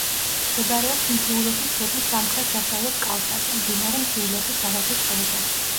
მდებარეობს მთიულეთის ქედის სამხრეთ-დასავლეთ კალთაზე, მდინარე მთიულეთის არაგვის ხეობაში.